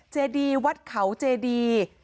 เจดีวัดเขาเจดี